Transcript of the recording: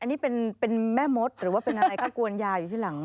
อันนี้เป็นแม่มดหรือว่าเป็นอะไรก็กวนยาอยู่ที่หลัง